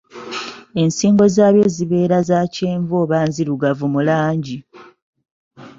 Ensingo zaabyo zibeera za kyenvu oba nzirugavu mu langi.